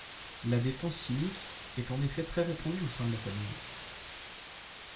La défense chimique est en effet très répandue au sein de la famille.